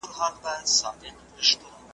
قلم د زده کوونکي له خوا استعمالوم کيږي.